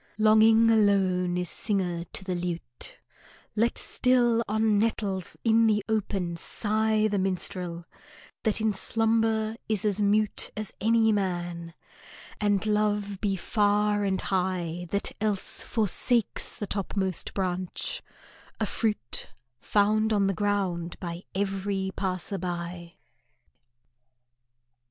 Longing alone is singer to the lute; Let still on nettles in the open sigh The minstrel, that in slumber is as mute As any man, and love be far and high, That else forsakes the topmost branch, a fruit Found on the ground by every passer by.